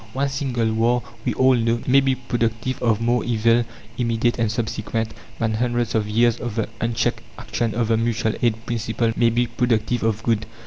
One single war we all know may be productive of more evil, immediate and subsequent, than hundreds of years of the unchecked action of the mutual aid principle may be productive of good.